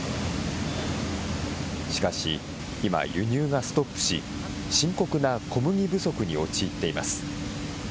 しかし今、輸入がストップし深刻な小麦不足に陥っています。